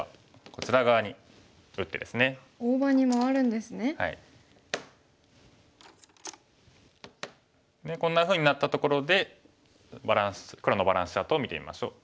でこんなふうになったところで黒のバランスチャートを見てみましょう。